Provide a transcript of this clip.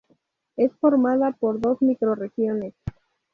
Es formada por dos microrregiones.